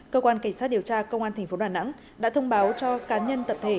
cơ quan cảnh sát điều tra công an tp đà nẵng đã thông báo cho cá nhân tập thể